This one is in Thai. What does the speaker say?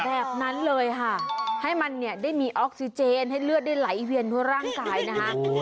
แบบนั้นเลยค่ะให้มันเนี่ยได้มีออกซิเจนให้เลือดได้ไหลเวียนทั่วร่างกายนะคะ